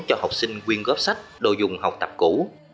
cho học sinh quyên góp sách đồ dùng học tập cũ